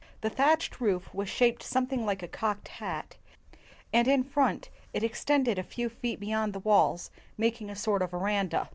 The thatched roof was shaped some thing like a cocked hat ; and in front, it ex tended a few feet beyond the walls, making a sort of veranda.